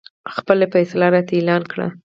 خپله فیصله راته اعلان کړي.